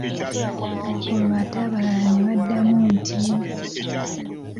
Olwo ate abalala ne baddamu nti